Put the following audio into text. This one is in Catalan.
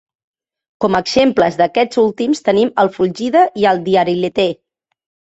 Com a exemples d'aquests últims tenim el fulgide i el diariletè.